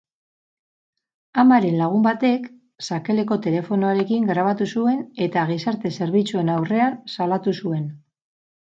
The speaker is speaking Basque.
Amaren lagun batek sakelako telefonoarekin grabatu zuen eta gizarte-zerbitzuen aurrean salatu zuen.